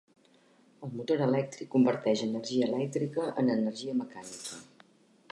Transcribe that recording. El motor elèctric converteix energia elèctrica en energia mecànica.